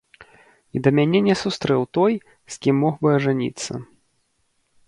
І да мяне не сустрэў той, з кім мог бы ажаніцца.